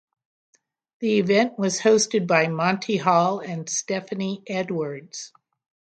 The event was hosted by Monty Hall and Stephanie Edwards.